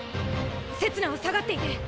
せつなは下がっていて！